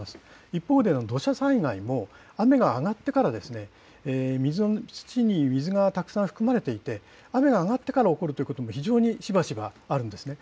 一方で、土砂災害も雨が上がってから、土に水がたくさん含まれていて、雨が上がってから起こるということも非常にしばしばあるんですね。